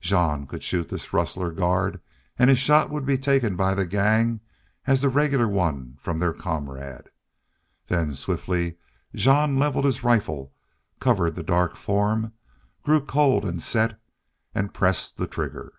Jean could shoot this rustler guard and his shot would be taken by the gang as the regular one from their comrade. Then swiftly Jean leveled his rifle, covered the dark form, grew cold and set, and pressed the trigger.